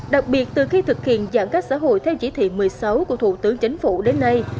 đặc biệt từ khi thực hiện giãn cách xã hội theo chỉ thị một mươi sáu của thủ tướng chính phủ đến nay